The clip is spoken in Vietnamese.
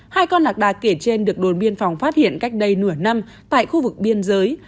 hai con lạc đà kể trên được đồn biên phòng phát hiện cách đây nửa năm tại khu vực biên giới